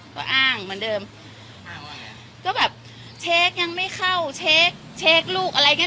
ก็อ้างเหมือนเดิมก็แบบยังไม่เข้าลูกอะไรอย่างเงี้ย